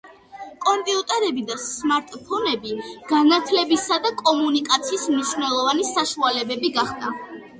კომპიუტერები და სმარტფონები განათლებისა და კომუნიკაციის მნიშვნელოვანი საშუალებები გახდა.